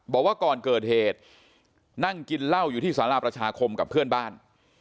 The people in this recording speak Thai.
บอกว่าก่อนเกิดเหตุนั่งกินเหล้าอยู่ที่สาราประชาคมกับเพื่อนบ้าน